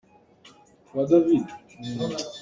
An pafarual in lo ah an kal.